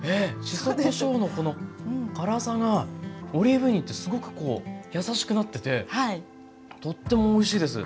しそこしょうのこの辛さがオリーブ油によってすごくこう優しくなっててとってもおいしいです。